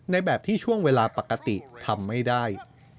แบบที่ช่วงเวลาปกติทำไม่ได้